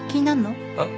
あっ？